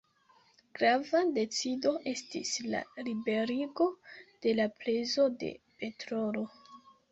Grava decido estis la liberigo de la prezo de petrolo.